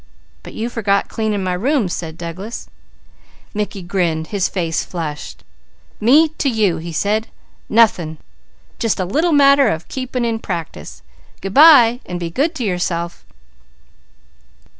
"But you forget cleaning my rooms," said Douglas. Mickey grinned, his face flushed. "Me to you!" he said. "Nothing! Just a little matter of keeping in practice. Good bye and be good to yourself!"